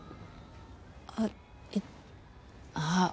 あっえっああ